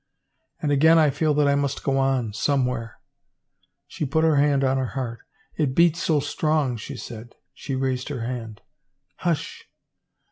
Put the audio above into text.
And again I feel that I must go on, somewhere." She put her hand on her heart. " It beats so strong," she said. She raised her hand. " Hush